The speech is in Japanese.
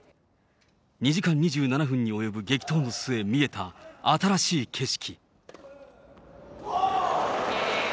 ２時間２７分に及ぶ激闘の末、見えた新しい景色。